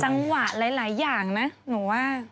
จังหวะหลายอย่างนะหนูว่า